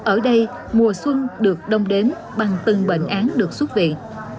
ở đây mùa xuân được đông đến bằng từng bệnh án được xuất viện